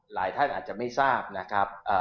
หลายท่านอาจจะไม่ทราบนะครับ